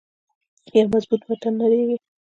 یو مضبوط وطن نړیږي